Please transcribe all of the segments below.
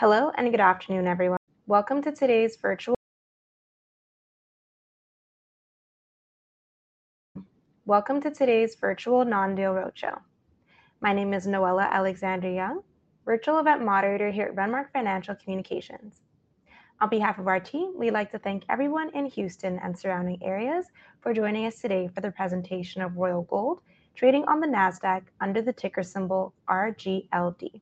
Hello, and good afternoon, everyone. Welcome to today's virtual non-deal roadshow. My name is Noella Alexander-Young, Virtual Event Moderator here at Renmark Financial Communications. On behalf of our team, we'd like to thank everyone in Houston and surrounding areas for joining us today for the presentation of Royal Gold, trading on the NASDAQ under the ticker symbol RGLD.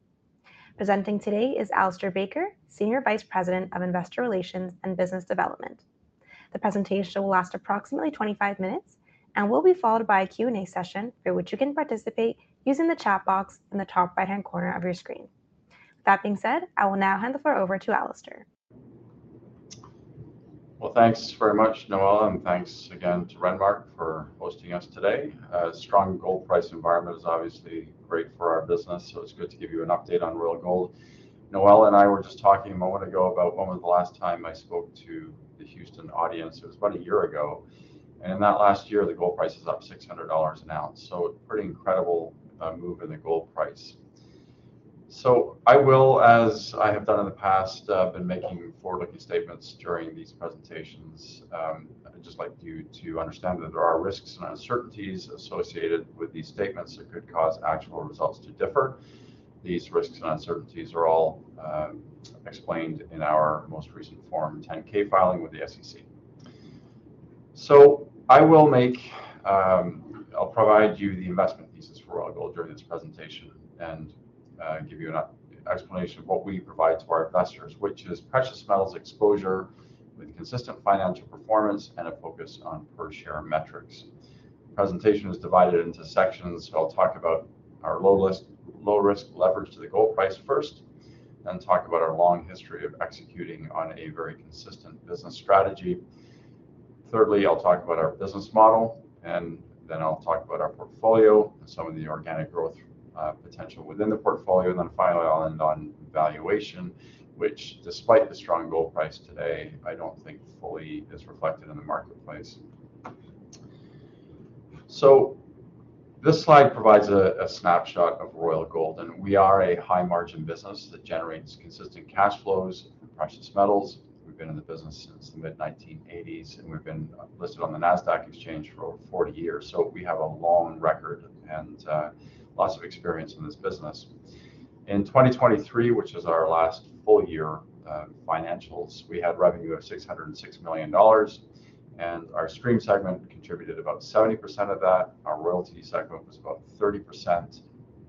Presenting today is Alistair Baker, Senior Vice President of Investor Relations and Business Development. The presentation will last approximately 25 minutes and will be followed by a Q&A session, through which you can participate using the chat box in the top right-hand corner of your screen. With that being said, I will now hand the floor over to Alistair. Thanks very much, Noella, and thanks again to Renmark for hosting us today. A strong gold price environment is obviously great for our business, so it's good to give you an update on Royal Gold. Noella and I were just talking a moment ago about when was the last time I spoke to the Houston audience. It was about a year ago, and in that last year, the gold price is up $600 an ounce, so a pretty incredible move in the gold price. So I will, as I have done in the past, been making forward-looking statements during these presentations. I'd just like you to understand that there are risks and uncertainties associated with these statements that could cause actual results to differ. These risks and uncertainties are all explained in our most recent Form 10-K filing with the SEC. So I will make, I'll provide you the investment thesis for Royal Gold during this presentation and, give you an explanation of what we provide to our investors, which is precious metals exposure with consistent financial performance and a focus on per-share metrics. Presentation is divided into sections. I'll talk about our low-risk leverage to the gold price first, then talk about our long history of executing on a very consistent business strategy. Thirdly, I'll talk about our business model, and then I'll talk about our portfolio and some of the organic growth potential within the portfolio. And then finally, I'll end on valuation, which, despite the strong gold price today, I don't think fully is reflected in the marketplace. So this slide provides a snapshot of Royal Gold, and we are a high-margin business that generates consistent cash flows and precious metals. We've been in the business since the mid-1980s, and we've been listed on the NASDAQ exchange for over 40 years, so we have a long record and lots of experience in this business. In 2023, which is our last full year financials, we had revenue of $606 million, and our Stream segment contributed about 70% of that. Our Royalty segment was about 30%.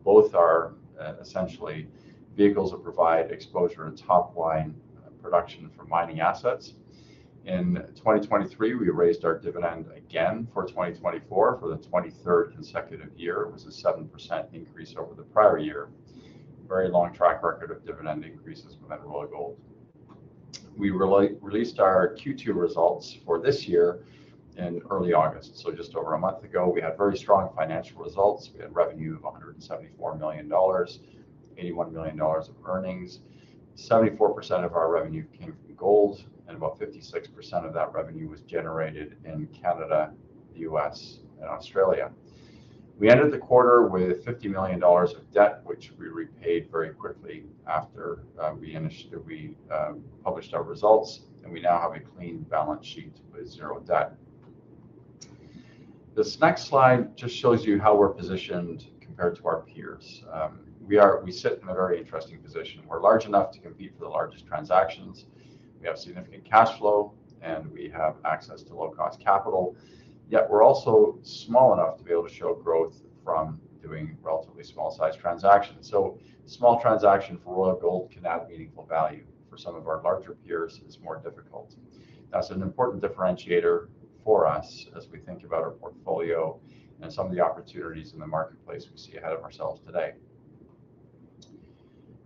Both are essentially vehicles that provide exposure and top-line production for mining assets. In 2023, we raised our dividend again for 2024 for the twenty-third consecutive year. It was a 7% increase over the prior year. Very long track record of dividend increases within Royal Gold. We released our Q2 results for this year in early August, so just over a month ago. We had very strong financial results. We had revenue of $174 million, $81 million of earnings. 74% of our revenue came from gold, and about 56% of that revenue was generated in Canada, the U.S., and Australia. We ended the quarter with $50 million of debt, which we repaid very quickly after we published our results, and we now have a clean balance sheet with zero debt. This next slide just shows you how we're positioned compared to our peers. We sit in a very interesting position. We're large enough to compete for the largest transactions, we have significant cash flow, and we have access to low-cost capital. Yet we're also small enough to be able to show growth from doing relatively small-sized transactions. So small transaction for Royal Gold can add meaningful value. For some of our larger peers, it's more difficult. That's an important differentiator for us as we think about our portfolio and some of the opportunities in the marketplace we see ahead of ourselves today.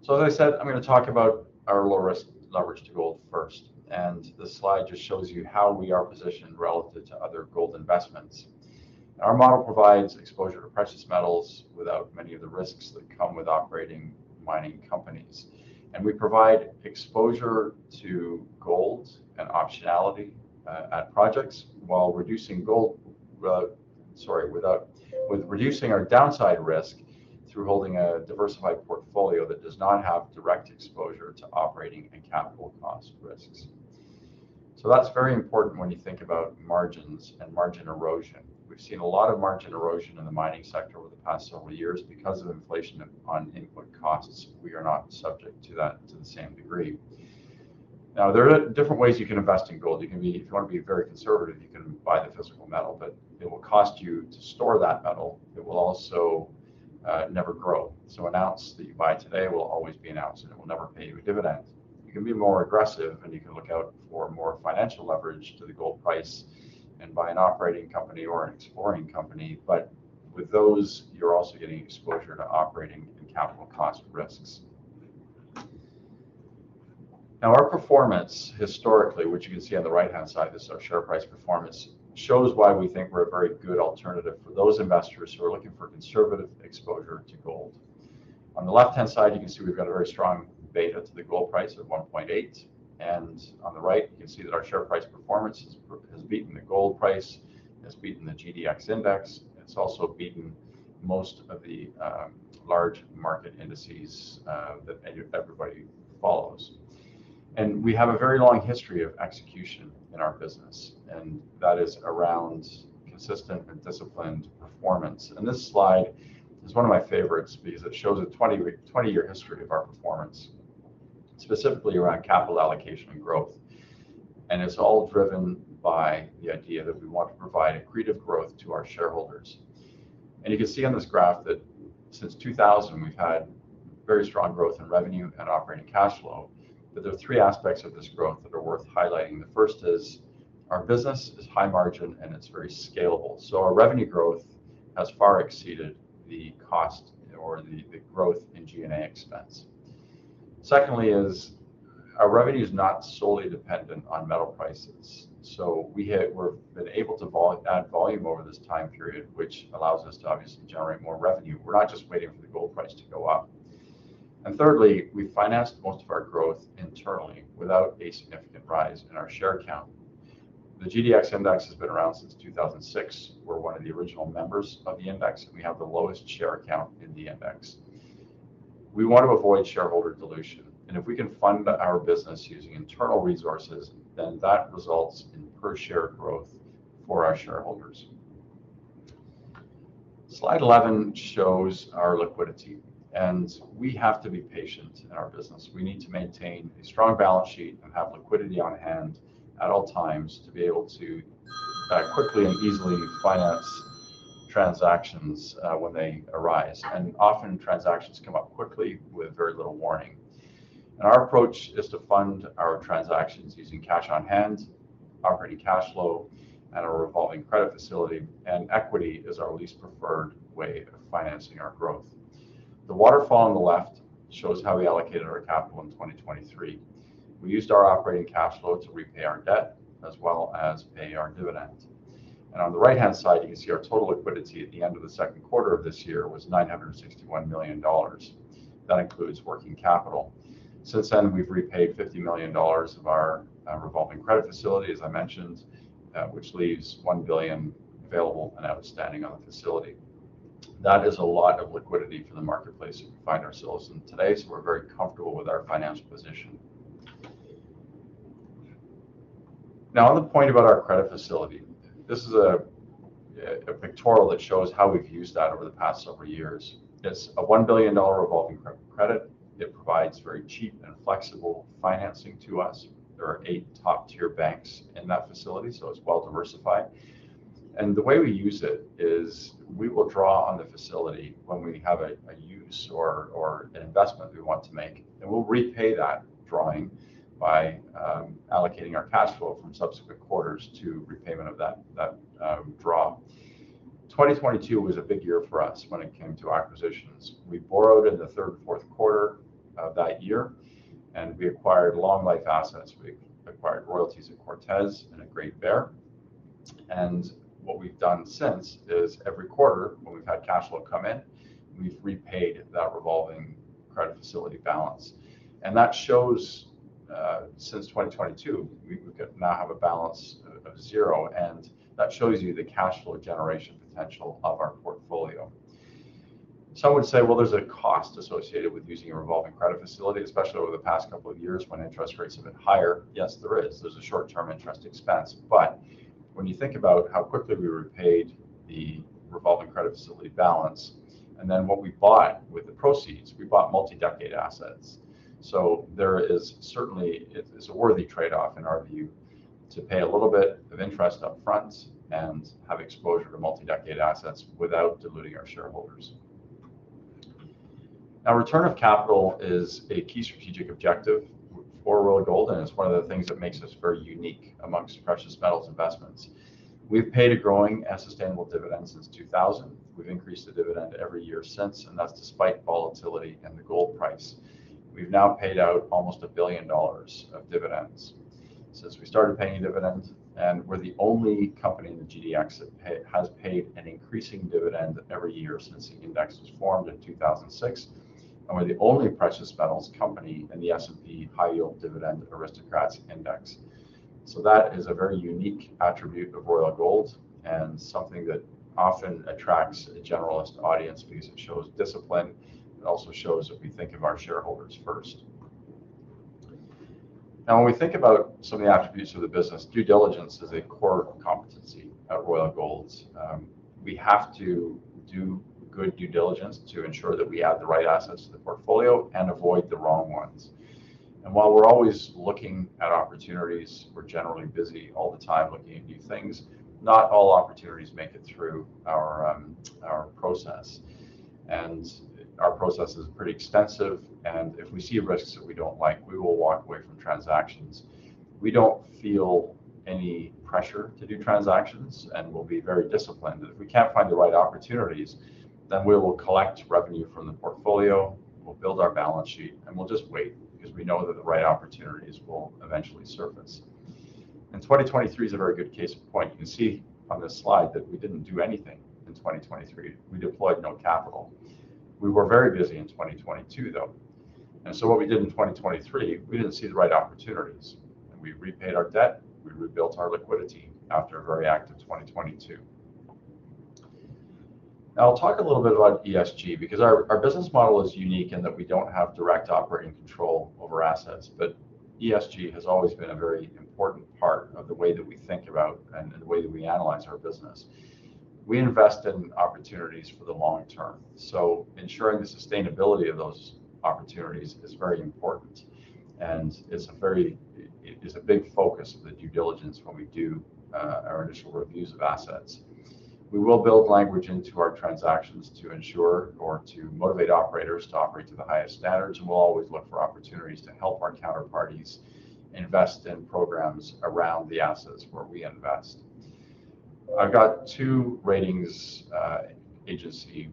As I said, I'm gonna talk about our low-risk leverage to gold first, and this slide just shows you how we are positioned relative to other gold investments. Our model provides exposure to precious metals without many of the risks that come with operating mining companies. And we provide exposure to gold and optionality at projects while reducing our downside risk through holding a diversified portfolio that does not have direct exposure to operating and capital cost risks. That's very important when you think about margins and margin erosion. We've seen a lot of margin erosion in the mining sector over the past several years because of inflation on input costs. We are not subject to that to the same degree. Now, there are different ways you can invest in gold. You can be-- If you want to be very conservative, you can buy the physical metal, but it will cost you to store that metal. It will also never grow. So an ounce that you buy today will always be an ounce, and it will never pay you a dividend. You can be more aggressive, and you can look out for more financial leverage to the gold price and buy an operating company or an exploring company. But with those, you're also getting exposure to operating and capital cost risks. Now, our performance historically, which you can see on the right-hand side, this is our share price performance, shows why we think we're a very good alternative for those investors who are looking for conservative exposure to gold. On the left-hand side, you can see we've got a very strong beta to the gold price of one point eight, and on the right, you can see that our share price performance has beaten the gold price, has beaten the GDX index. It's also beaten most of the large market indices that everybody follows. And we have a very long history of execution in our business, and that is around consistent and disciplined performance. And this slide is one of my favorites because it shows a twenty-year history of our performance, specifically around capital allocation and growth. It's all driven by the idea that we want to provide accretive growth to our shareholders. You can see on this graph that since 2000, we've had very strong growth in revenue and operating cash flow. There are three aspects of this growth that are worth highlighting. The first is our business is high margin and it's very scalable. So our revenue growth has far exceeded the cost or the growth in G&A expense. Secondly is our revenue is not solely dependent on metal prices. So we've been able to add volume over this time period, which allows us to obviously generate more revenue. We're not just waiting for the gold price to go up. Thirdly, we financed most of our growth internally without a significant rise in our share count. The GDX index has been around since 2006. We're one of the original members of the index, and we have the lowest share count in the index. We want to avoid shareholder dilution, and if we can fund our business using internal resources, then that results in per share growth for our shareholders. Slide 11 shows our liquidity, and we have to be patient in our business. We need to maintain a strong balance sheet and have liquidity on hand at all times to be able to quickly and easily finance transactions when they arise, and often transactions come up quickly with very little warning, and our approach is to fund our transactions using cash on hand, operating cash flow, and a revolving credit facility, and equity is our least preferred way of financing our growth. The waterfall on the left shows how we allocated our capital in 2023. We used our operating cash flow to repay our debt as well as pay our dividend. On the right-hand side, you can see our total liquidity at the end of the second quarter of this year was $961 million. That includes working capital. Since then, we've repaid $50 million of our revolving credit facility, as I mentioned, which leaves $1 billion available and outstanding on the facility. That is a lot of liquidity for the marketplace we find ourselves in today, so we're very comfortable with our financial position. Now, on the point about our credit facility, this is a pictorial that shows how we've used that over the past several years. It's a $1 billion revolving credit. It provides very cheap and flexible financing to us. There are eight top-tier banks in that facility, so it's well-diversified, and the way we use it is we will draw on the facility when we have a use or an investment we want to make, and we'll repay that drawing by allocating our cash flow from subsequent quarters to repayment of that draw. 2022 was a big year for us when it came to acquisitions. We borrowed in the third and fourth quarter of that year, and we acquired long life assets. We acquired Royalties at Cortez and at Great Bear, and what we've done since is every quarter, when we've had cash flow come in, we've repaid that revolving credit facility balance. That shows since 2022 we now have a balance of zero, and that shows you the cash flow generation potential of our portfolio. Some would say, well, there's a cost associated with using a revolving credit facility, especially over the past couple of years when interest rates have been higher. Yes, there is. There's a short-term interest expense, but when you think about how quickly we repaid the revolving credit facility balance, and then what we bought with the proceeds, we bought multi-decade assets. So there is certainly. It's a worthy trade-off, in our view, to pay a little bit of interest up front and have exposure to multi-decade assets without diluting our shareholders. Now, return of capital is a key strategic objective for Royal Gold, and it's one of the things that makes us very unique amongst precious metals investments. We've paid a growing and sustainable dividend since 2000. We've increased the dividend every year since, and that's despite volatility in the gold price. We've now paid out almost $1 billion of dividends since we started paying dividends, and we're the only company in the GDX that has paid an increasing dividend every year since the index was formed in 2006, and we're the only precious metals company in the S&P High Yield Dividend Aristocrats Index, so that is a very unique attribute of Royal Gold and something that often attracts a generalist audience because it shows discipline. It also shows that we think of our shareholders first. Now, when we think about some of the attributes of the business, due diligence is a core competency at Royal Gold. We have to do good due diligence to ensure that we add the right assets to the portfolio and avoid the wrong ones, and while we're always looking at opportunities, we're generally busy all the time looking at new things. Not all opportunities make it through our process, and our process is pretty extensive, and if we see risks that we don't like, we will walk away from transactions. We don't feel any pressure to do transactions and we'll be very disciplined. If we can't find the right opportunities, then we will collect revenue from the portfolio, we'll build our balance sheet, and we'll just wait because we know that the right opportunities will eventually surface, and 2023 is a very good case in point. You can see on this slide that we didn't do anything in 2023. We deployed no capital. We were very busy in 2022, though. And so what we did in 2023, we didn't see the right opportunities, and we repaid our debt, we rebuilt our liquidity after a very active 2022. I'll talk a little bit about ESG, because our, our business model is unique in that we don't have direct operating control over assets. But ESG has always been a very important part of the way that we think about and the way that we analyze our business. We invest in opportunities for the long term, so ensuring the sustainability of those opportunities is very important, and it's a very, it is a big focus of the due diligence when we do our initial reviews of assets. We will build language into our transactions to ensure or to motivate operators to operate to the highest standards, and we'll always look for opportunities to help our counterparties invest in programs around the assets where we invest. I've got two ratings agency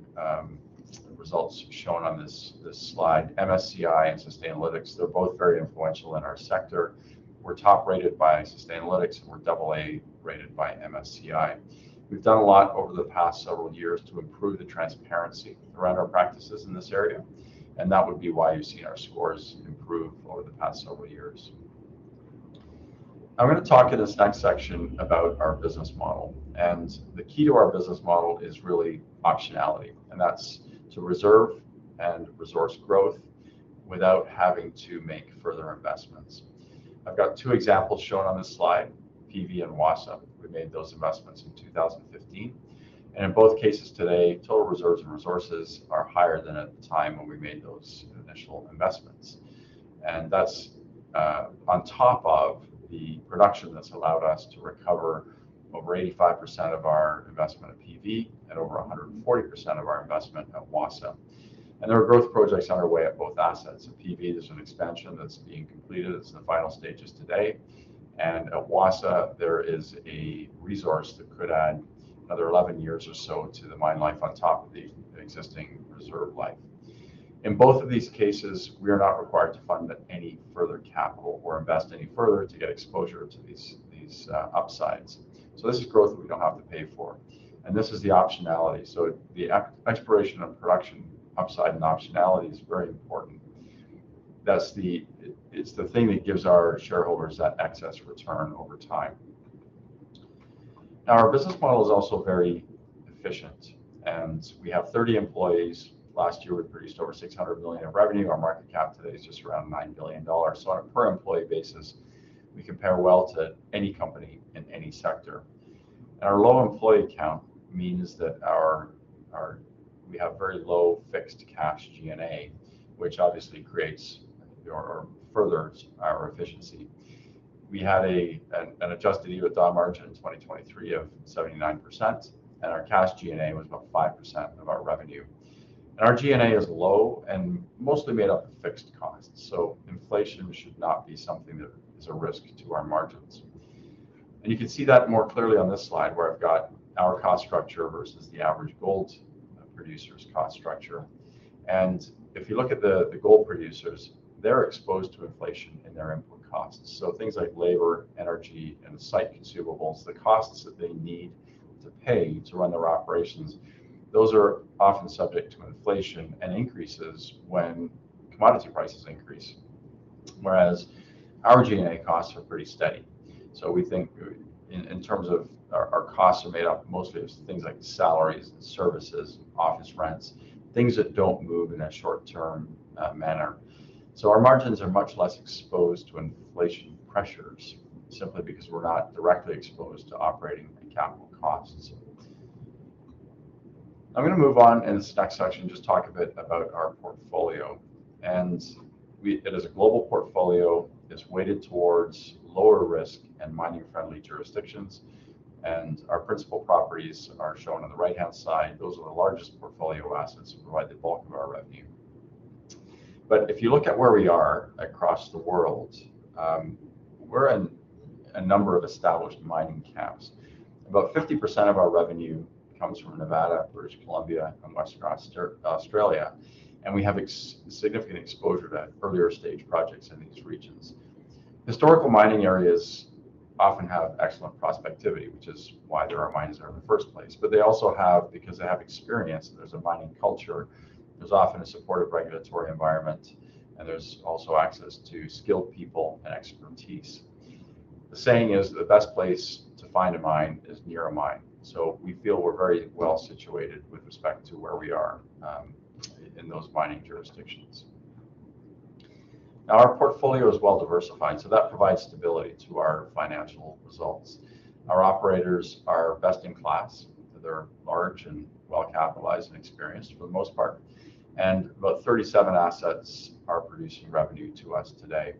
results shown on this slide, MSCI and Sustainalytics. They're both very influential in our sector. We're top rated by Sustainalytics, and we're AA rated by MSCI. We've done a lot over the past several years to improve the transparency around our practices in this area, and that would be why you've seen our scores improve over the past several years. I'm gonna talk in this next section about our business model, and the key to our business model is really optionality, and that's to reserve and resource growth without having to make further investments. I've got two examples shown on this slide, PV and Wassa. We made those investments in twenty fifteen, and in both cases today, total reserves and resources are higher than at the time when we made those initial investments. And that's on top of the production that's allowed us to recover over 85% of our investment at PV and over 140% of our investment at Wassa. And there are growth projects underway at both assets. At PV, there's an expansion that's being completed. It's in the final stages today, and at Wassa, there is a resource that could add another 11 years or so to the mine life on top of the existing reserve life. In both of these cases, we are not required to fund any further capital or invest any further to get exposure to these upsides. This is growth that we don't have to pay for, and this is the optionality. The exploration and production upside and optionality is very important. That's the, it's the thing that gives our shareholders that excess return over time. Now, our business model is also very efficient, and we have 30 employees. Last year, we produced over $600 million in revenue. Our market cap today is just around $9 billion. On a per employee basis, we compare well to any company in any sector. Our low employee count means that our we have very low fixed cash G&A, which obviously creates or furthers our efficiency. We had an adjusted EBITDA margin in 2023 of 79%, and our cash G&A was about 5% of our revenue. Our G&A is low and mostly made up of fixed costs, so inflation should not be something that is a risk to our margins. You can see that more clearly on this slide, where I've got our cost structure versus the average gold producer's cost structure. If you look at the gold producers, they're exposed to inflation in their input costs. Things like labor, energy, and site consumables, the costs that they need to pay to run their operations, those are often subject to inflation and increases when commodity prices increase, whereas our G&A costs are pretty steady. We think in terms of our costs are made up mostly of things like salaries and services, office rents, things that don't move in a short-term manner. So, our margins are much less exposed to inflation pressures simply because we're not directly exposed to operating and capital costs. I'm gonna move on in this next section, just talk a bit about our portfolio. And it is a global portfolio. It's weighted towards lower risk and mining-friendly jurisdictions, and our principal properties are shown on the right-hand side. Those are the largest portfolio assets and provide the bulk of our revenue. But if you look at where we are across the world, we're in a number of established mining camps. About 50% of our revenue comes from Nevada, British Columbia, and Western Australia, and we have significant exposure to earlier stage projects in these regions. Historical mining areas often have excellent prospectivity, which is why there are mines there in the first place. But they also have, because they have experience and there's a mining culture, there's often a supportive regulatory environment, and there's also access to skilled people and expertise. The saying is, the best place to find a mine is near a mine. So we feel we're very well situated with respect to where we are in those mining jurisdictions. Now, our portfolio is well-diversified, so that provides stability to our financial results. Our operators are best in class. They're large and well-capitalized and experienced for the most part, and about 37 assets are producing revenue to us today.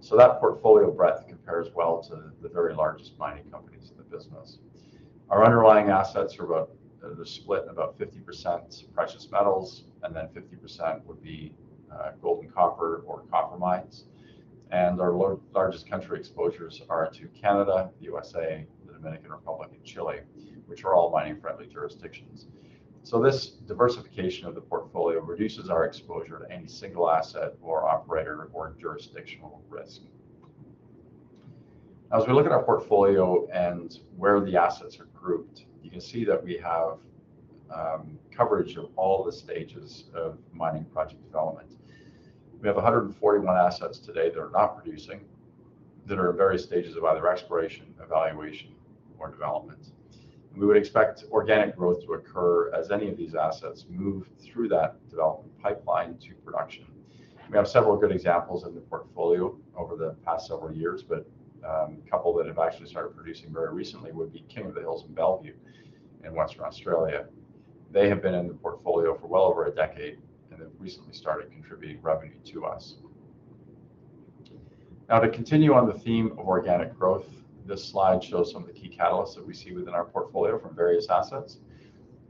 So that portfolio breadth compares well to the very largest mining companies in the business. Our underlying assets are about, they're split in about 50% precious metals, and then 50% would be gold and copper or copper mines. Our largest country exposures are to Canada, USA, the Dominican Republic, and Chile, which are all mining-friendly jurisdictions. So this diversification of the portfolio reduces our exposure to any single asset or operator or jurisdictional risk. As we look at our portfolio and where the assets are grouped, you can see that we have coverage of all the stages of mining project development. We have 141 assets today that are at various stages of either exploration, evaluation, or development. We would expect organic growth to occur as any of these assets move through that development pipeline to production. We have several good examples in the portfolio over the past several years, but a couple that have actually started producing very recently would be King of the Hills and Bellevue in Western Australia. They have been in the portfolio for well over a decade and have recently started contributing revenue to us. Now, to continue on the theme of organic growth, this slide shows some of the key catalysts that we see within our portfolio from various assets.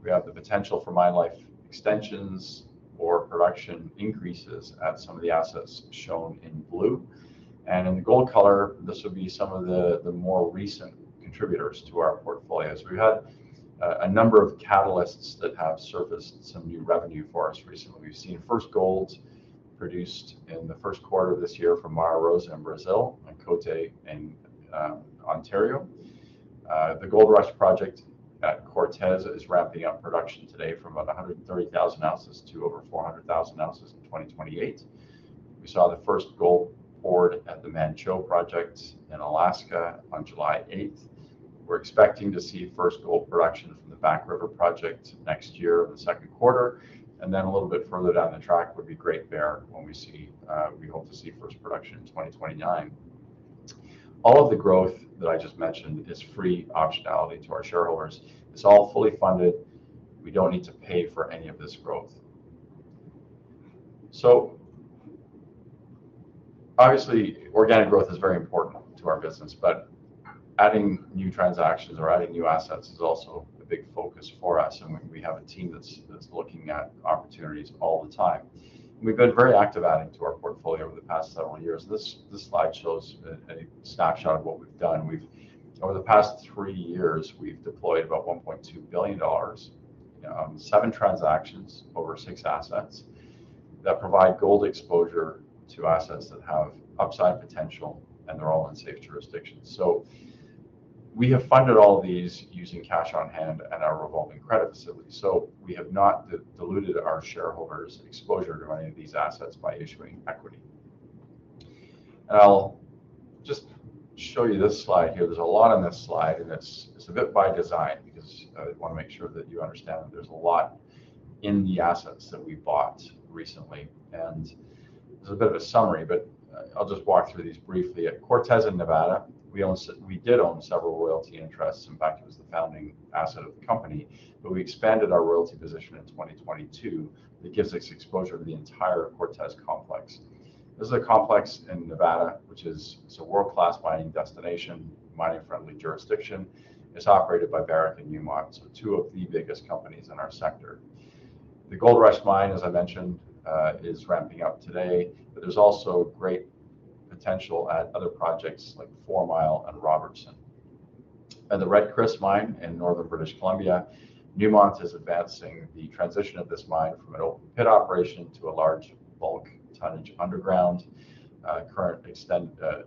We have the potential for mine life extensions or production increases at some of the assets shown in blue. In the gold color, this would be some of the more recent contributors to our portfolios. We've had a number of catalysts that have surfaced some new revenue for us recently. We've seen first gold produced in the first quarter of this year from Mara Rosa in Brazil and Côté in Ontario. The Goldrush project at Cortez is ramping up production today from about 130,000 ounces to over 400,000 ounces in 2028. We saw the first gold poured at the Manh Choh project in Alaska on July eighth. We're expecting to see first gold production from the Back River project next year in the second quarter, and then a little bit further down the track would be Great Bear, when we see. We hope to see first production in twenty twenty-nine. All of the growth that I just mentioned is free optionality to our shareholders. It's all fully funded. We don't need to pay for any of this growth. So obviously, organic growth is very important to our business, but adding new transactions or adding new assets is also a big focus for us, and we have a team that's looking at opportunities all the time. We've been very active adding to our portfolio over the past several years. This slide shows a snapshot of what we've done. Over the past three years, we've deployed about $1.2 billion on seven transactions over six assets that provide gold exposure to assets that have upside potential, and they're all in safe jurisdictions, so we have funded all of these using cash on hand and our revolving credit facility, so we have not diluted our shareholders' exposure to any of these assets by issuing equity, and I'll just show you this slide here. There's a lot on this slide, and it's a bit by design because I want to make sure that you understand that there's a lot in the assets that we bought recently, and there's a bit of a summary, but I'll just walk through these briefly. At Cortez in Nevada, we own. We did own several Royalty interests. In fact, it was the founding asset of the company, but we expanded our Royalty position in 2022. It gives us exposure to the entire Cortez complex. This is a complex in Nevada, which is, it's a world-class mining destination, mining-friendly jurisdiction. It's operated by Barrick and Newmont, so two of the biggest companies in our sector. The Goldrush mine, as I mentioned, is ramping up today, but there's also great potential at other projects like Fourmile and Robertson. At the Red Chris mine in northern British Columbia, Newmont is advancing the transition of this mine from an open pit operation to a large bulk tonnage underground. Currently,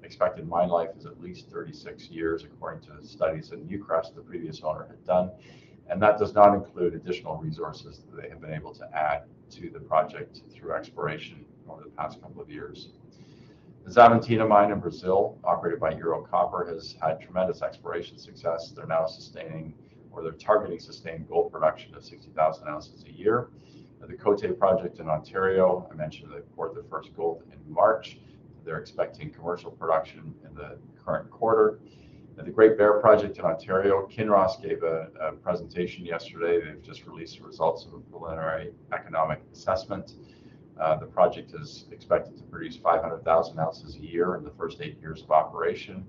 expected mine life is at least 36 years, according to studies that Newcrest, the previous owner, had done. That does not include additional resources that they have been able to add to the project through exploration over the past couple of years. The Xavantina mine in Brazil, operated by Ero Copper, has had tremendous exploration success. They're now sustaining, or they're targeting sustained gold production of 60,000 ounces a year. The Côté project in Ontario, I mentioned they poured their first gold in March. They're expecting commercial production in the current quarter. The Great Bear project in Ontario, Kinross gave a presentation yesterday. They've just released the results of a preliminary economic assessment. The project is expected to produce 500,000 ounces a year in the first 8 years of operation.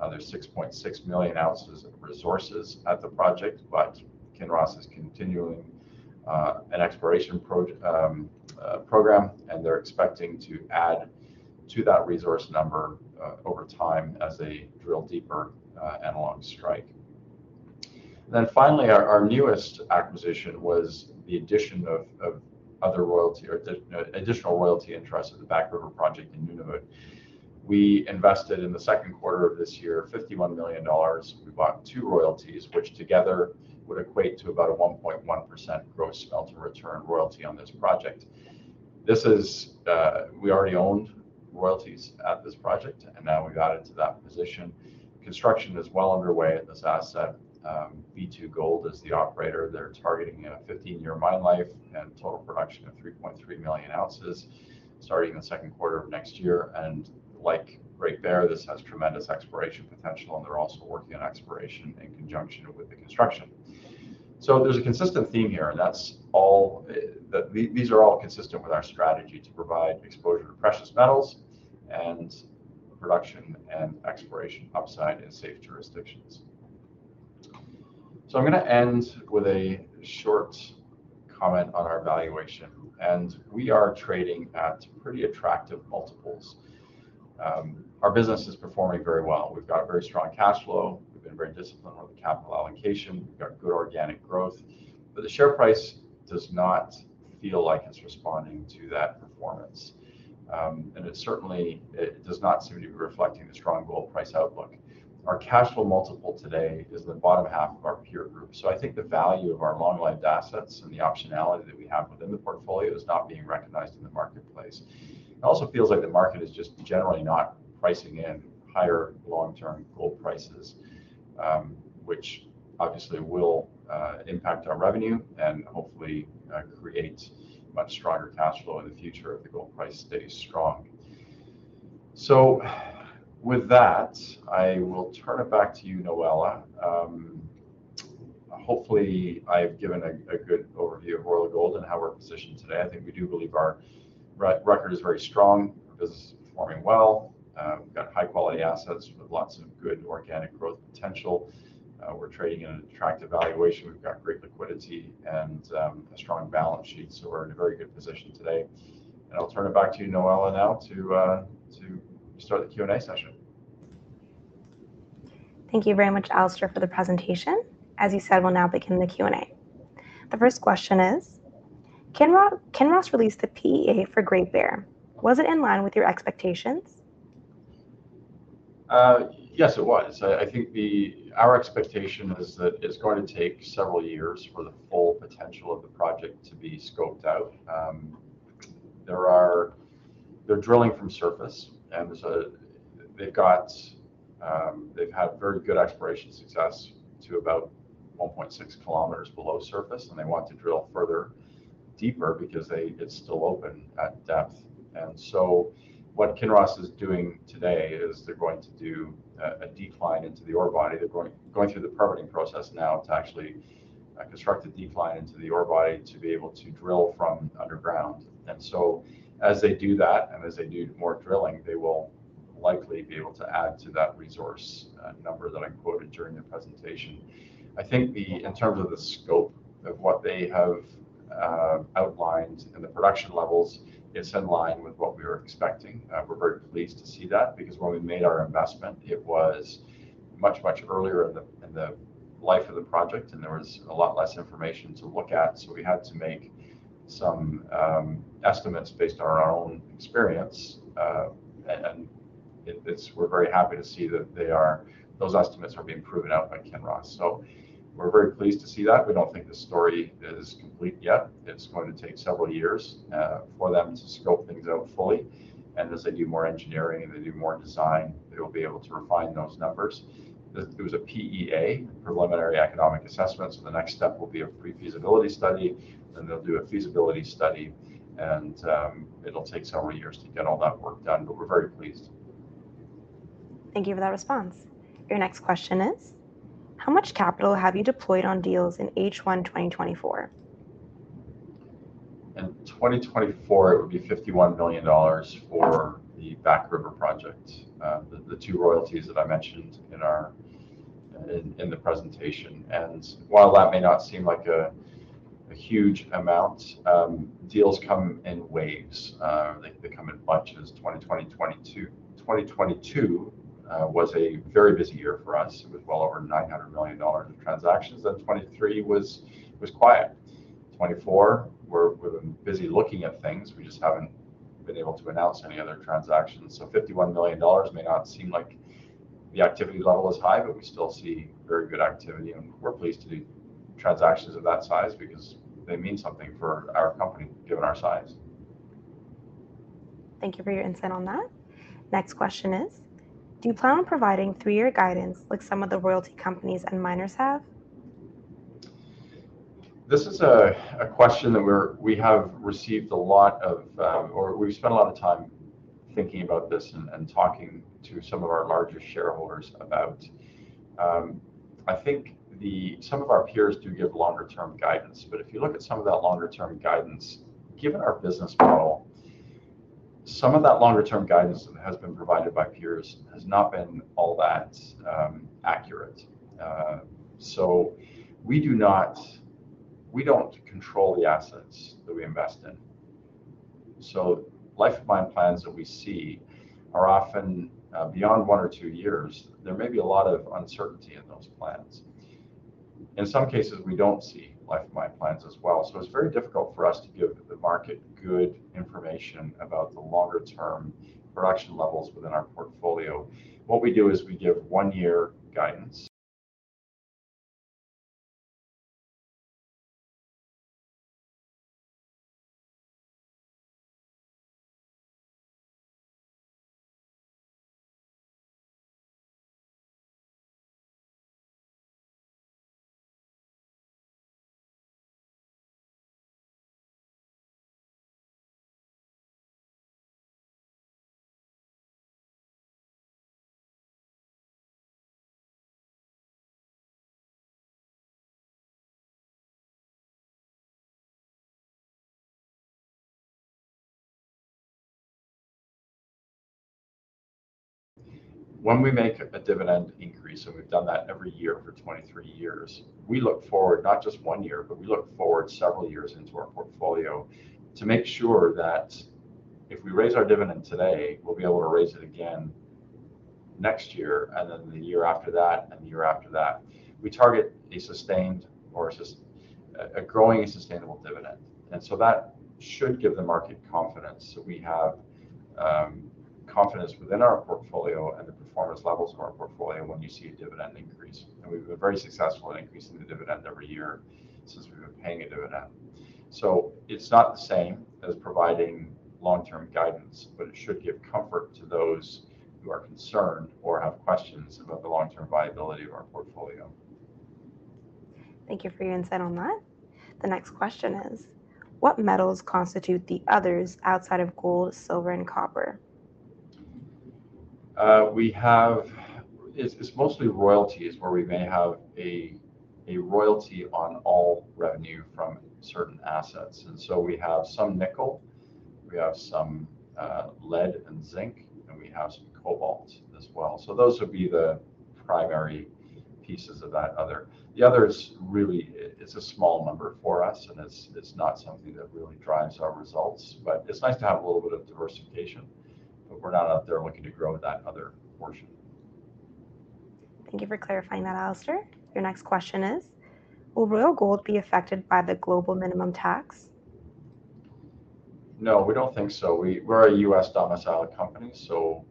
There's 6.6 million ounces of resources at the project, but Kinross is continuing an exploration program, and they're expecting to add to that resource number over time as they drill deeper and along strike. Then finally, our newest acquisition was the addition of additional royalty interest at the Back River project in Nunavut. We invested in the second quarter of this year, $51 million. We bought two Royalties, which together would equate to about a 1.1% gross smelter return Royalty on this project. This is, we already owned Royalties at this project, and now we got into that position. Construction is well underway at this asset. B2Gold is the operator. They're targeting a 15-year mine life and total production of 3.3 million ounces, starting in the second quarter of next year. Like Great Bear, this has tremendous exploration potential, and they're also working on exploration in conjunction with the construction. There's a consistent theme here. These are all consistent with our strategy to provide exposure to precious metals and production and exploration upside in safe jurisdictions. I'm gonna end with a short comment on our valuation, and we are trading at pretty attractive multiples. Our business is performing very well. We've got a very strong cash flow. We've been very disciplined with the capital allocation. We've got good organic growth. But the share price does not feel like it's responding to that performance, and it certainly does not seem to be reflecting the strong gold price outlook. Our cash flow multiple today is the bottom half of our peer group. So I think the value of our long-lived assets and the optionality that we have within the portfolio is not being recognized in the marketplace. It also feels like the market is just generally not pricing in higher long-term gold prices, which obviously will impact our revenue and hopefully create much stronger cash flow in the future if the gold price stays strong. So with that, I will turn it back to you, Noella. Hopefully, I've given a good overview of Royal Gold and how we're positioned today. I think we do believe our record is very strong. Our business is performing well. We've got high-quality assets with lots of good organic growth potential. We're trading in an attractive valuation. We've got great liquidity and a strong balance sheet, so we're in a very good position today, and I'll turn it back to you, Noella, now, to start the Q&A session. Thank you very much, Alistair, for the presentation. As you said, we'll now begin the Q&A. The first question is: Kinross released the PEA for Great Bear. Was it in line with your expectations? Yes, it was. I think the... Our expectation is that it's going to take several years for the full potential of the project to be scoped out. They're drilling from surface, and they've got, they've had very good exploration success to about 1.6 kilometers below surface, and they want to drill further deeper because it's still open at depth. And so what Kinross is doing today is they're going to do a decline into the ore body. They're going through the permitting process now to actually construct a decline into the ore body to be able to drill from underground. And so, as they do that, and as they do more drilling, they will likely be able to add to that resource number that I quoted during the presentation. I think, in terms of the scope of what they have outlined and the production levels, it's in line with what we were expecting. We're very pleased to see that because when we made our investment, it was much, much earlier in the life of the project, and there was a lot less information to look at, so we had to make some estimates based on our own experience. We're very happy to see that they are... Those estimates are being proven out by Kinross. So we're very pleased to see that. We don't think the story is complete yet. It's going to take several years for them to scope things out fully. And as they do more engineering and they do more design, they'll be able to refine those numbers. There was a PEA, preliminary economic assessment, so the next step will be a pre-feasibility study, then they'll do a feasibility study, and it'll take several years to get all that work done, but we're very pleased. Thank you for that response. Your next question is: How much capital have you deployed on deals in H1, 2024? In 2024, it would be $51 million for the Back River project, the two Royalties that I mentioned in our presentation. While that may not seem like a huge amount, deals come in waves. They come in bunches, 2022 was a very busy year for us. It was well over $900 million in transactions. Then 2023 was quiet. 2024, we're busy looking at things. We just haven't been able to announce any other transactions. So $51 million may not seem like the activity level is high, but we still see very good activity, and we're pleased to do transactions of that size because they mean something for our company, given our size. Thank you for your insight on that. Next question is: Do you plan on providing three-year guidance like some of the Royalty companies and miners have? This is a question that we have received a lot of, or we've spent a lot of time thinking about this and talking to some of our larger shareholders about. I think some of our peers do give longer-term guidance, but if you look at some of that longer-term guidance, given our business model, some of that longer-term guidance that has been provided by peers has not been all that accurate. So we do not. We don't control the assets that we invest in. So life of mine plans that we see are often beyond 1 or 2 years, there may be a lot of uncertainty in those plans. In some cases, we don't see life of mine plans as well, so it's very difficult for us to give the market good information about the longer-term production levels within our portfolio. What we do is we give one-year guidance. When we make a dividend increase, and we've done that every year for 23 years, we look forward, not just one year, but we look forward several years into our portfolio to make sure that if we raise our dividend today, we'll be able to raise it again next year, and then the year after that, and the year after that. We target a sustained or a growing and sustainable dividend, and so that should give the market confidence that we have confidence within our portfolio and the performance levels of our portfolio when you see a dividend increase. And we've been very successful in increasing the dividend every year since we've been paying a dividend. So it's not the same as providing long-term guidance, but it should give comfort to those who are concerned or have questions about the long-term viability of our portfolio. Thank you for your insight on that. The next question is: What metals constitute the others outside of gold, silver, and copper? We have... It's, it's mostly Royalties, where we may have a royalty on all revenue from certain assets, and so we have some nickel, we have some lead and zinc, and we have some cobalt as well. So those would be the primary pieces of that other. The other is really, it's a small number for us, and it's not something that really drives our results, but it's nice to have a little bit of diversification. But we're not out there looking to grow that other portion. Thank you for clarifying that, Alistair. Your next question is: Will Royal Gold be affected by the Global Minimum Tax? No, we don't think so. We're a US-domiciled company, so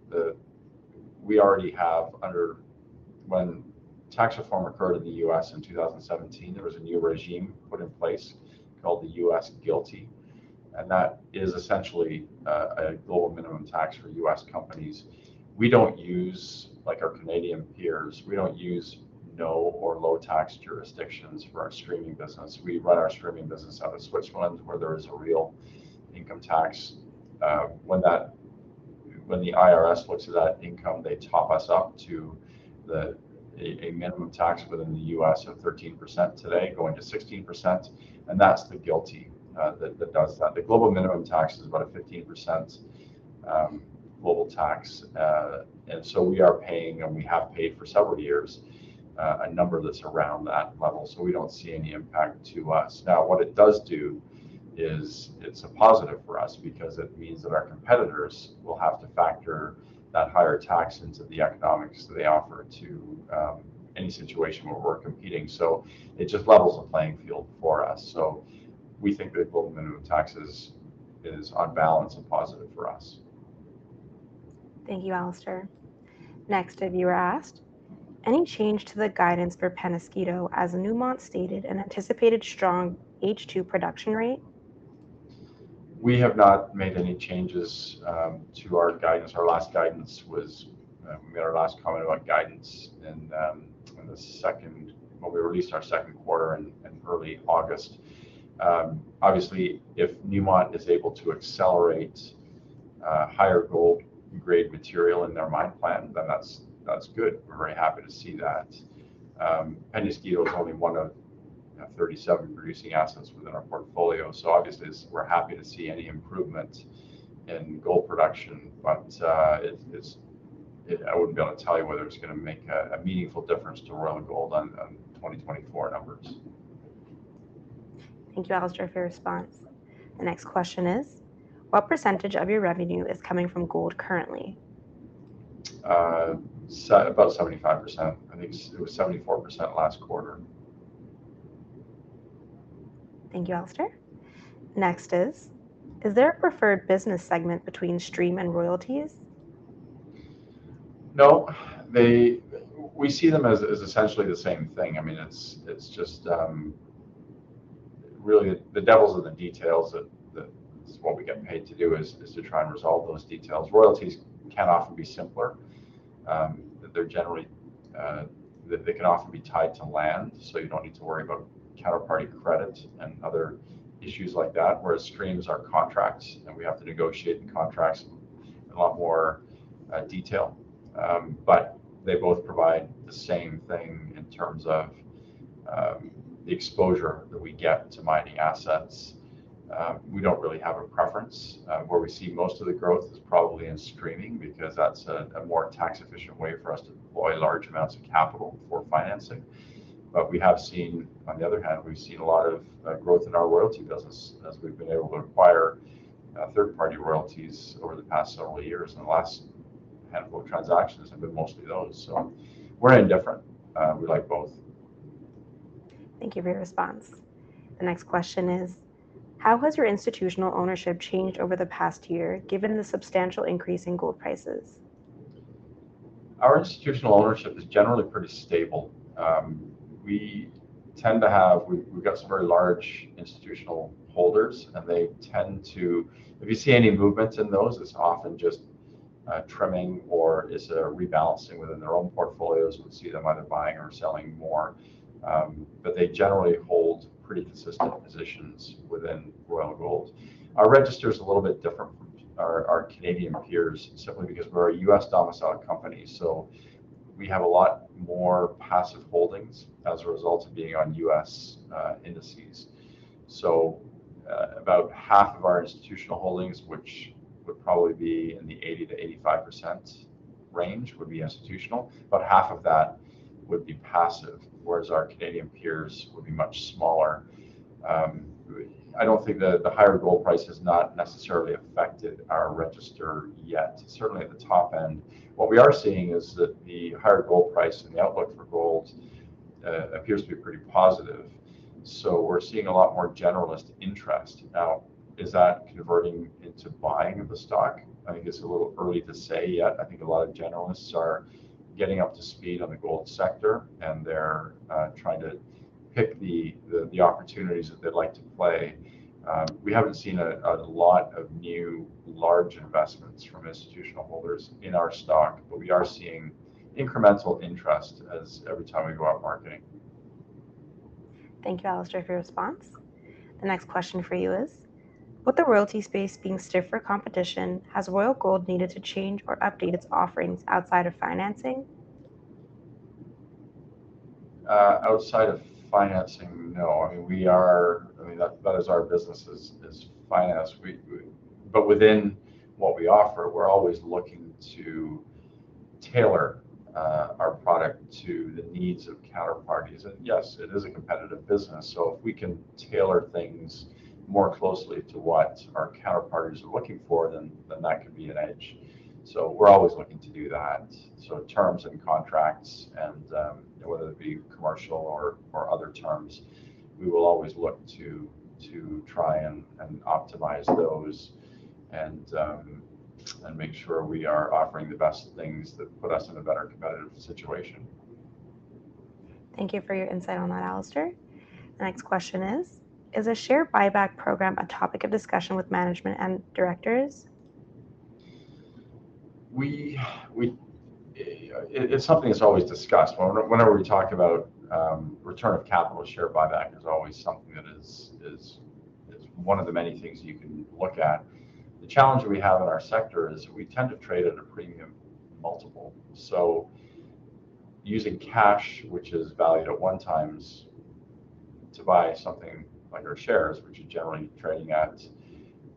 we already have under. When tax reform occurred in the U.S. in 2017, there was a new regime put in place called the U.S. GILTI, and that is essentially a global minimum tax for U.S. companies. We don't use, like our Canadian peers, we don't use no or low tax jurisdictions for our Streaming business. We run our Streaming business out of Switzerland, where there is a real income tax. When the IRS looks at that income, they top us up to a minimum tax within the U.S. of 13% today, going to 16%, and that's the GILTI that does that. The Global Minimum Tax is about 15% global tax, and so we are paying, and we have paid for several years, a number that's around that level, so we don't see any impact to us. Now, what it does do is it's a positive for us because it means that our competitors will have to factor that higher tax into the economics that they offer to any situation where we're competing, so it just levels the playing field for us. So we think the Global Minimum Tax is on balance, a positive for us. Thank you, Alistair. Next review asked: Any change to the guidance for Peñasquito, as Newmont stated, an anticipated strong H2 production rate? We have not made any changes to our guidance. Our last guidance was, we made our last comment about guidance in the second quarter when we released our second quarter in early August. Obviously, if Newmont is able to accelerate higher gold grade material in their mine plan, then that's good. We're very happy to see that. Peñasquito is only one of 37 producing assets within our portfolio, so obviously, we're happy to see any improvement in gold production. But I wouldn't be able to tell you whether it's gonna make a meaningful difference to Royal Gold on 2024 numbers. Thank you, Alistair, for your response. The next question is: What percentage of your revenue is coming from gold currently? So about 75%. I think it's, it was 74% last quarter. Thank you, Alistair. Next is: Is there a preferred business segment between Stream and Royalties? No, we see them as essentially the same thing. I mean, it's just really the devil's in the details. That is what we get paid to do is to try and resolve those details. Royalties can often be simpler. They can often be tied to land, so you don't need to worry about counterparty credit and other issues like that, whereas Streams are contracts, and we have to negotiate in contracts in a lot more detail. But they both provide the same thing in terms of the exposure that we get to mining assets. We don't really have a preference. Where we see most of the growth is probably in Streaming, because that's a more tax-efficient way for us to deploy large amounts of capital for financing. But we have seen, on the other hand, we've seen a lot of growth in our Royalty business as we've been able to acquire third-party royalties over the past several years. And the last handful of transactions have been mostly those, so we're indifferent. We like both. Thank you for your response. The next question is: How has your institutional ownership changed over the past year, given the substantial increase in gold prices? Our institutional ownership is generally pretty stable. We tend to have we've got some very large institutional holders, and they tend to... If you see any movements in those, it's often just trimming or is a rebalancing within their own portfolios. We see them either buying or selling more, but they generally hold pretty consistent positions within Royal Gold. Our register is a little bit different from our Canadian peers, simply because we're a U.S.-domiciled company, so we have a lot more passive holdings as a result of being on U.S. indices. So, about half of our institutional holdings, which would probably be in the 80%-85% range, would be institutional, but half of that would be passive, whereas our Canadian peers would be much smaller. I don't think the higher gold price has not necessarily affected our register yet, certainly at the top end. What we are seeing is that the higher gold price and the outlook for gold appears to be pretty positive. So we're seeing a lot more generalist interest. Now, is that converting into buying of the stock? I think it's a little early to say yet. I think a lot of generalists are getting up to speed on the gold sector, and they're trying to pick the opportunities that they'd like to play. We haven't seen a lot of new large investments from institutional holders in our stock, but we are seeing incremental interest as every time we go out marketing. Thank you, Alistair, for your response. The next question for you is: With the Royalty space being stiffer competition, has Royal Gold needed to change or update its offerings outside of financing? Outside of financing, no. I mean, we are. I mean, that is our business is finance. But within what we offer, we're always looking to tailor our product to the needs of counterparties. Yes, it is a competitive business, so if we can tailor things more closely to what our counterparties are looking for, that could be an edge. We're always looking to do that. Terms and contracts and whether it be commercial or other terms, we will always look to try and optimize those and make sure we are offering the best things that put us in a better competitive situation. Thank you for your insight on that, Alistair. The next question is: Is a share buyback program a topic of discussion with management and directors? It’s something that’s always discussed. Whenever we talk about return of capital, share buyback is always something that is one of the many things you can look at. The challenge we have in our sector is we tend to trade at a premium multiple. So using cash, which is valued at 1x, to buy something like our shares, which are generally trading at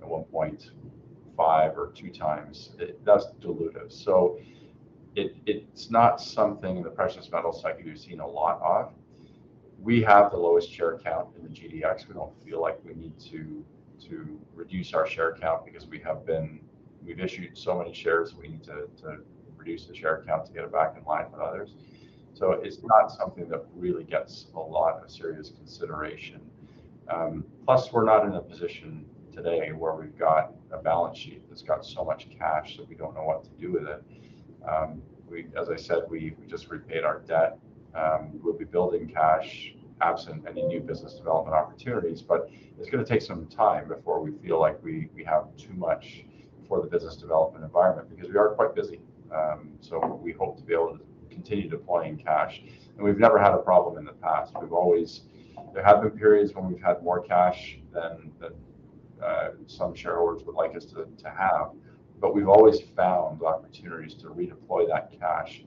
1.5x or 2x, that’s dilutive. So it’s not something the precious metal sector we’ve seen a lot of. We have the lowest share count in the GDX. We don’t feel like we need to reduce our share count because we’ve issued so many shares, we need to reduce the share count to get it back in line with others. So it's not something that really gets a lot of serious consideration. Plus, we're not in a position today where we've got a balance sheet that's got so much cash that we don't know what to do with it. We, as I said, just repaid our debt. We'll be building cash absent any new business development opportunities, but it's gonna take some time before we feel like we have too much for the business development environment, because we are quite busy. So we hope to be able to continue deploying cash, and we've never had a problem in the past. We've always... There have been periods when we've had more cash than some shareholders would like us to have, but we've always found opportunities to redeploy that cash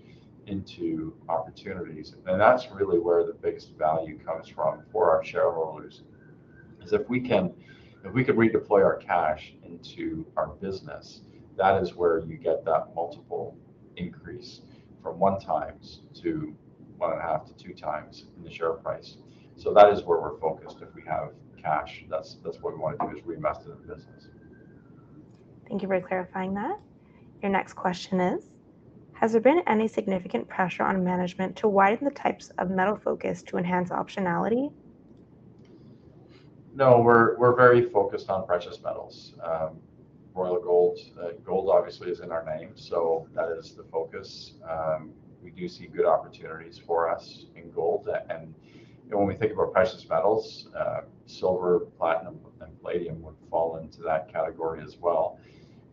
into opportunities. That's really where the biggest value comes from for our shareholders, is if we could redeploy our cash into our business, that is where you get that multiple increase from 1x to 1.5x to 2x in the share price. So that is where we're focused. If we have cash, that's what we wanna do, is reinvest it in the business. Thank you for clarifying that. Your next question is: Has there been any significant pressure on management to widen the types of metal focus to enhance optionality? No, we're very focused on precious metals. Royal Gold, gold obviously is in our name, so that is the focus. We do see good opportunities for us in gold. And when we think about precious metals, silver, platinum, and palladium would fall into that category as well.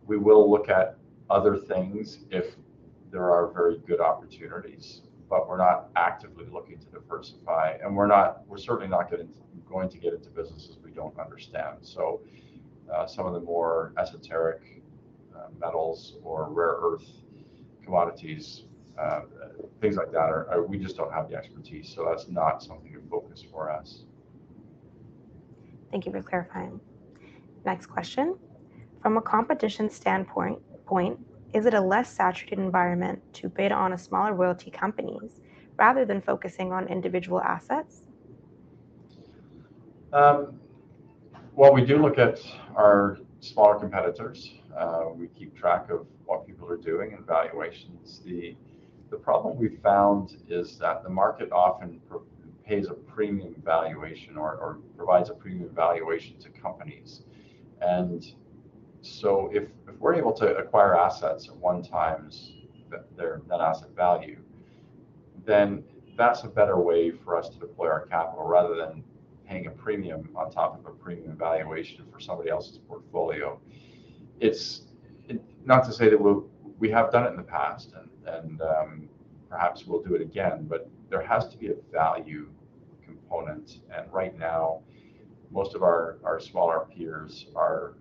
We will look at other things if there are very good opportunities, but we're not actively looking to diversify, and we're certainly not going to get into businesses we don't understand. So, some of the more esoteric metals or rare earth commodities, things like that, we just don't have the expertise, so that's not something of focus for us. Thank you for clarifying. Next question: From a competition standpoint, point, is it a less saturated environment to bid on a smaller Royalty companies rather than focusing on individual assets? Well, we do look at our smaller competitors. We keep track of what people are doing and valuations. The problem we've found is that the market often pays a premium valuation or provides a premium valuation to companies. And so if we're able to acquire assets at 1x their, that asset value, then that's a better way for us to deploy our capital, rather than paying a premium on top of a premium valuation for somebody else's portfolio. It's not to say that we have done it in the past and perhaps we'll do it again, but there has to be a value component. And right now, most of our smaller peers are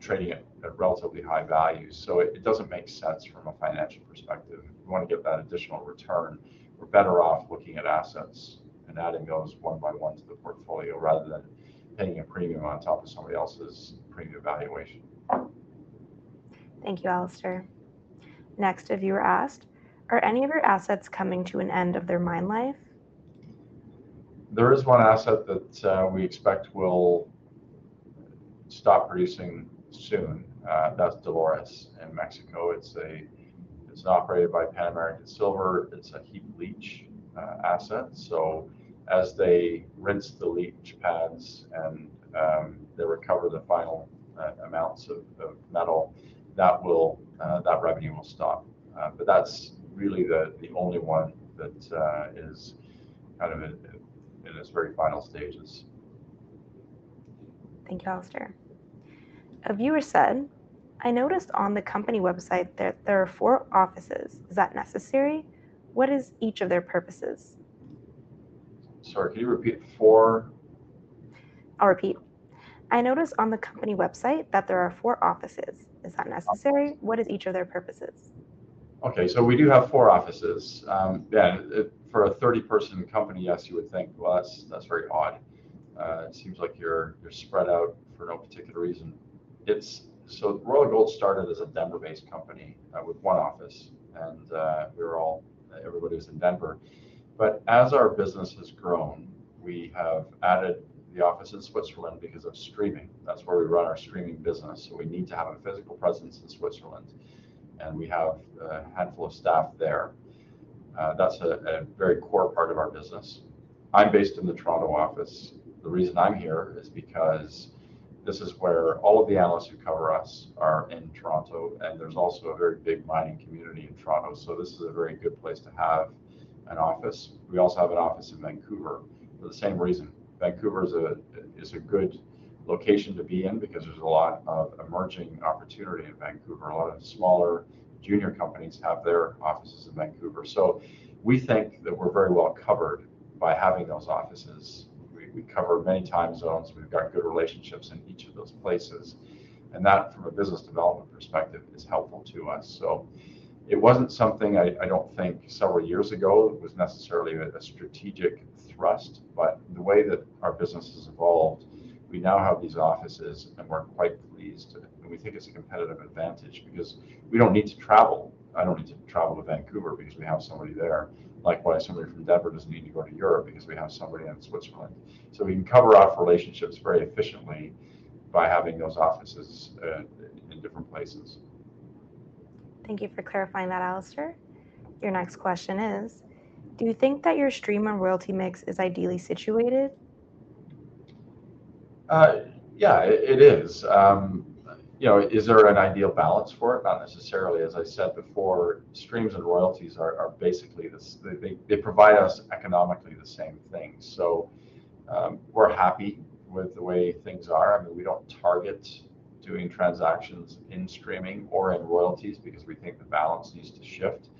trading at relatively high values, so it doesn't make sense from a financial perspective. We wanna get that additional return. We're better off looking at assets and adding those one by one to the portfolio, rather than paying a premium on top of somebody else's premium valuation. Thank you, Alistair. Next viewer asked: Are any of your assets coming to an end of their mine life? There is one asset that we expect will stop producing soon, that's Dolores in Mexico. It's operated by Pan American Silver. It's a heap leach asset, so as they rinse the leach pads and they recover the final amounts of metal, that revenue will stop. But that's really the only one that is kind of in its very final stages. Thank you, Alistair. A viewer said, "I noticed on the company website that there are four offices. Is that necessary? What is each of their purposes? Sorry, can you repeat the four? I'll repeat. I noticed on the company website that there are four offices. Is that necessary? What is each of their purposes? Okay, so we do have four offices. Yeah, for a thirty-person company, yes, you would think, "Well, that's, that's very odd. It seems like you're, you're spread out for no particular reason." It's so Royal Gold started as a Denver-based company, with one office, and we were all, everybody was in Denver. But as our business has grown, we have added the office in Switzerland because of streaming. That's where we run our Streaming business, so we need to have a physical presence in Switzerland, and we have a handful of staff there. That's a very core part of our business. I'm based in the Toronto office. The reason I'm here is because this is where all of the analysts who cover us are in Toronto, and there's also a very big mining community in Toronto, so this is a very good place to have an office. We also have an office in Vancouver for the same reason. Vancouver is a good location to be in because there's a lot of emerging opportunity in Vancouver. A lot of smaller junior companies have their offices in Vancouver. So we think that we're very well covered by having those offices. We cover many time zones, we've got good relationships in each of those places, and that from a business development perspective is helpful to us. So it wasn't something I don't think several years ago was necessarily a strategic thrust, but the way that our business has evolved, we now have these offices, and we're quite pleased. And we think it's a competitive advantage because we don't need to travel. I don't need to travel to Vancouver because we have somebody there. Likewise, somebody from Denver doesn't need to go to Europe because we have somebody in Switzerland. So we can cover off relationships very efficiently by having those offices in different places. Thank you for clarifying that, Alistair. Your next question is: Do you think that your Stream and Royalty mix is ideally situated? Yeah, it is. You know, is there an ideal balance for it? Not necessarily. As I said before, Streams and Royalties are basically the same. They provide us economically the same thing. So, we're happy with the way things are. I mean, we don't target doing transactions in Streaming or in Royalties because we think the balance needs to shift.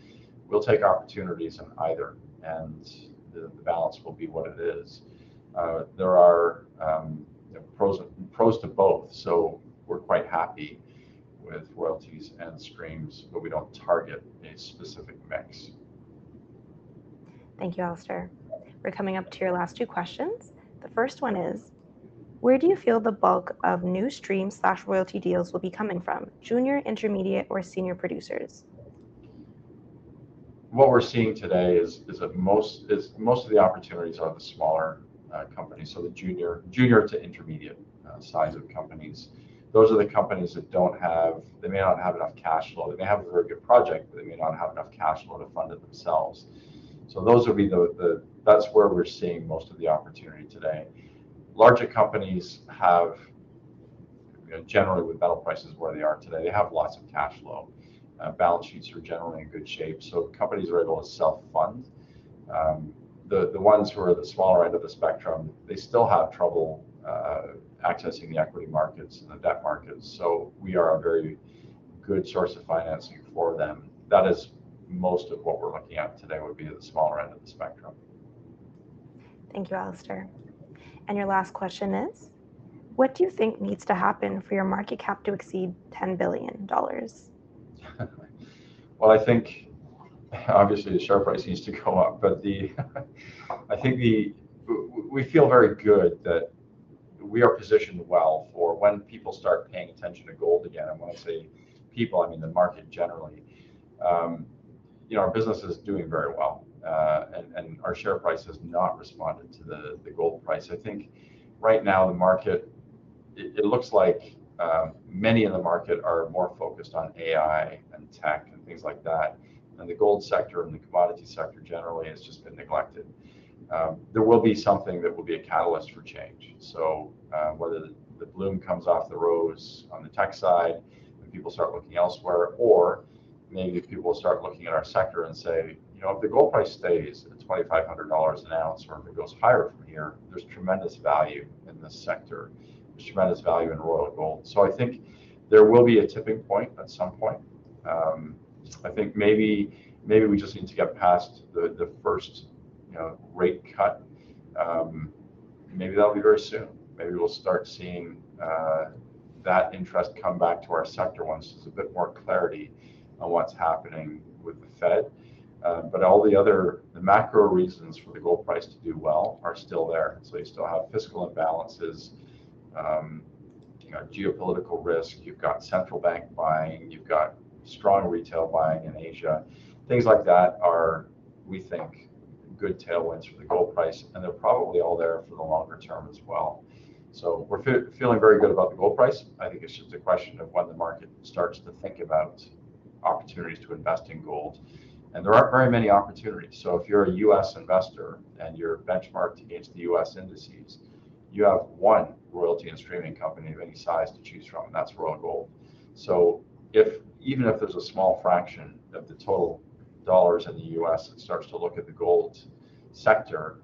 We'll take opportunities in either, and the balance will be what it is. There are pros to both, so we're quite happy with Royalties and Streams, but we don't target a specific mix. Thank you, Alistair. We're coming up to your last two questions. The first one is: Where do you feel the bulk of new Stream/Royalty deals will be coming from, junior, intermediate, or senior producers? What we're seeing today is that most of the opportunities are the smaller companies, so the junior to intermediate size of companies. Those are the companies that don't have... They may not have enough cash flow. They may have a very good project, but they may not have enough cash flow to fund it themselves. So that's where we're seeing most of the opportunity today. Larger companies have, generally, with metal prices where they are today, they have lots of cash flow. Balance sheets are generally in good shape, so companies are able to self-fund. The ones who are at the smaller end of the spectrum, they still have trouble accessing the equity markets and the debt markets, so we are a very good source of financing for them. That is, most of what we're looking at today would be the smaller end of the spectrum. Thank you, Alistair. And your last question is: What do you think needs to happen for your market cap to exceed $10 billion? I think obviously, the share price needs to go up, but I think we feel very good that we are positioned well for when people start paying attention to gold again, and when I say people, I mean the market generally. You know, our business is doing very well, and our share price has not responded to the gold price. I think right now the market looks like many in the market are more focused on AI and tech and things like that, and the gold sector and the commodity sector generally has just been neglected. There will be something that will be a catalyst for change. So, whether the bloom comes off the rose on the tech side and people start looking elsewhere, or maybe if people start looking at our sector and say, "You know, if the gold price stays at $2,500 an ounce or if it goes higher from here, there's tremendous value in this sector. There's tremendous value in Royal Gold." So I think there will be a tipping point at some point. I think maybe we just need to get past the first, you know, rate cut. Maybe that'll be very soon. Maybe we'll start seeing that interest come back to our sector once there's a bit more clarity on what's happening with the Fed. But all the other macro reasons for the gold price to do well are still there. So you still have fiscal imbalances, you know, geopolitical risk. You've got central bank buying. You've got strong retail buying in Asia. Things like that are, we think, good tailwinds for the gold price, and they're probably all there for the longer term as well. So we're feeling very good about the gold price. I think it's just a question of when the market starts to think about opportunities to invest in gold. And there aren't very many opportunities. So if you're a U.S. investor and you're benchmarked against the U.S. indices, you have one Royalty and Streaming company of any size to choose from, and that's Royal Gold. So if, even if there's a small fraction of the total dollars in the U.S. that starts to look at the gold sector,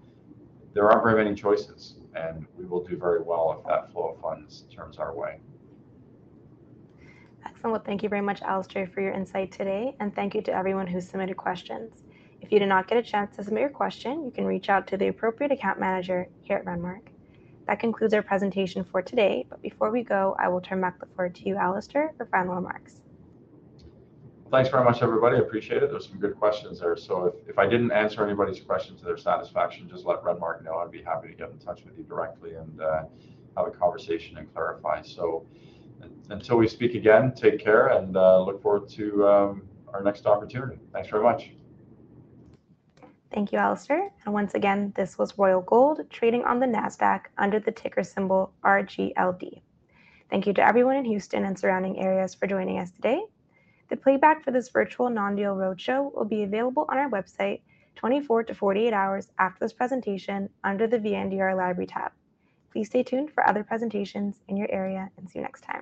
there aren't very many choices, and we will do very well if that flow of funds turns our way. Excellent. Thank you very much, Alistair, for your insight today, and thank you to everyone who submitted questions. If you did not get a chance to submit your question, you can reach out to the appropriate account manager here at Renmark. That concludes our presentation for today, but before we go, I will turn back the floor to you, Alistair, for final remarks. Thanks very much, everybody. I appreciate it. There were some good questions there. So if I didn't answer anybody's question to their satisfaction, just let Renmark know. I'd be happy to get in touch with you directly and have a conversation and clarify. So until we speak again, take care, and look forward to our next opportunity. Thanks very much. Thank you, Alistair. Once again, this was Royal Gold, trading on the Nasdaq under the ticker symbol RGLD. Thank you to everyone in Houston and surrounding areas for joining us today. The playback for this virtual non-deal roadshow will be available on our website, 24 to 48 hours after this presentation under the VNDR Library tab. Please stay tuned for other presentations in your area, and see you next time.